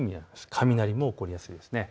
雷も起こりやすいです。